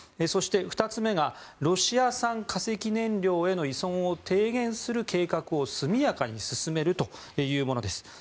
そして、２つ目がロシア産化石燃料への依存を低減する計画を速やかに進めるというものです。